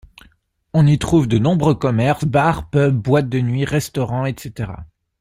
On y trouve de nombreux commerces, bars, pubs, boîtes de nuit, restaurants, etc.